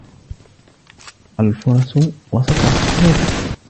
الفرص وسط الصعوبات